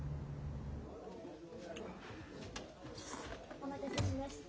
お待たせしました。